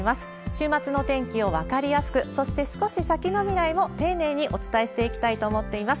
週末のお天気を分かりやすく、そして少し先の未来も丁寧にお伝えしていきたいと思っています。